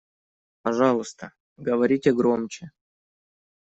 Пожалуйста, говорите громче.